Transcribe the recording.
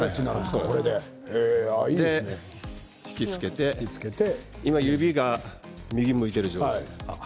引きつけて今、指が右を向いている状態です。